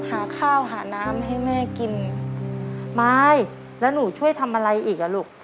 หาข้าวหาน้ำให้แม่กินไม้แล้วหนูช่วยทำอะไรอีกอ่ะลูก